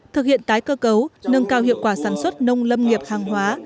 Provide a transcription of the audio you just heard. thực hiện tái cơ cấu nâng cao hiệu quả sản xuất nông lâm nghiệp hàng hóa